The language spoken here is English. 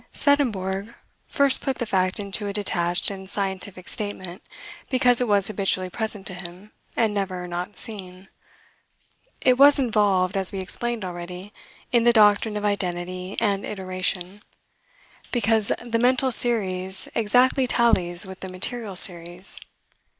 Swedenborg first put the fact into a detached and scientific statement, because it was habitually present to him, and never not seen. It was involved, as we explained already, in the doctrine of identity and iteration, because the mental series exactly tallies with the material series.